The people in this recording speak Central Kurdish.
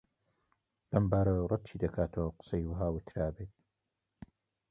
لەو بارەیەوە ڕەتی دەکاتەوە قسەی وەها وترابێت